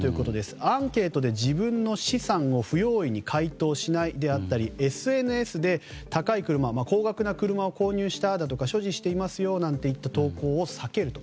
アンケートで自分の資産を不用意に回答しないであったりＳＮＳで高い車高額な車を購入したとか所持していますよといった投稿を避けるなど。